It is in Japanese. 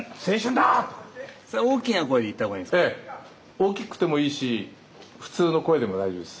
大きくてもいいし普通の声でも大丈夫です。